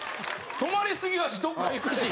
止まりすぎやしどこか行くし。